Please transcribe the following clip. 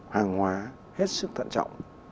hàng hóa hết sức thận trọng